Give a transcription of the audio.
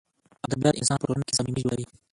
ادبیات انسان په ټولنه کښي صمیمي جوړوي.